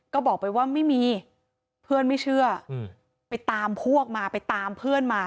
ก็บอกไปว่าไม่มีเพื่อนไม่เชื่อไปตามพวกมาไปตามเพื่อนมา